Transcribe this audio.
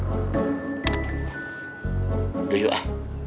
aduh yuk ah